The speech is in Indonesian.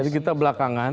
jadi kita belakangan